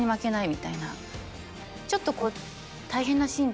ちょっとこう。